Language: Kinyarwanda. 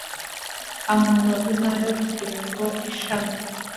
amababi nayo kugirango ishami